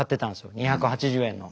２８０円の。